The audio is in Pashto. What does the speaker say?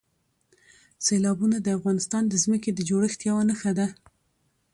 سیلابونه د افغانستان د ځمکې د جوړښت یوه نښه ده.